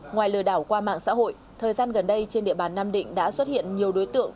ngoài lừa đảo qua mạng xã hội thời gian gần đây trên địa bàn nam định đã xuất hiện nhiều đối tượng